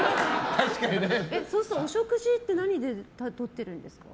そうするとお食事は何でとっているんですか？